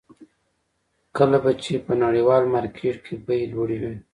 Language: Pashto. کله به چې په نړیوال مارکېټ کې بیې لوړې وې.